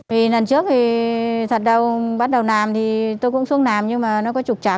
vì lần trước thì thật đâu bắt đầu làm thì tôi cũng xuống làm nhưng mà nó có trục chả